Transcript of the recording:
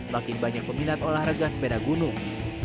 makin banyak peminat olahraga sepeda gunung